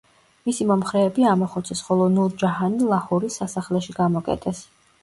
მისი მომხრეები ამოხოცეს, ხოლო ნურ-ჯაჰანი ლაჰორის სასახლეში გამოკეტეს.